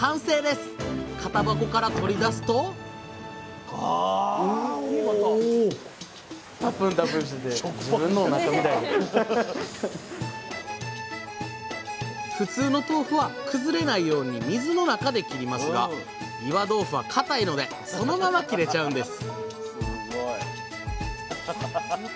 型箱から取り出すと普通の豆腐は崩れないように水の中で切りますが岩豆腐は固いのでそのまま切れちゃうんです！